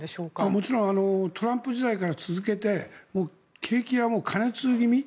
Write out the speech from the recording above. もちろんトランプ時代から続けて景気はもう過熱気味。